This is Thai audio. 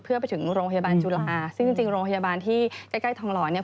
เพื่อไปถึงโรงพยาบาลจุฬาซึ่งจริงโรงพยาบาลที่ใกล้ใกล้ทองหล่อเนี่ย